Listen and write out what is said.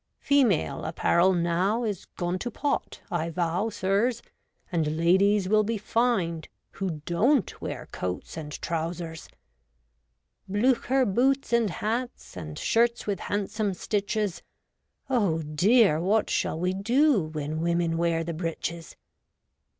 Female apparel now Is gone to pot, I vow, sirs. And ladies will be fined AVho don!t wear coats and trousers ; Blucher boots and hats, And shirts with handsome stitches, Oh, dear ! what shall we do When women wear the breeches